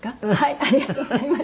ありがとうございます。